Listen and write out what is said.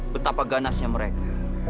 betapa ganasnya mereka